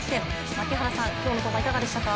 槙原さん、今日のところはいかがでしたか？